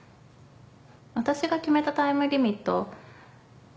私が決めたタイムリミット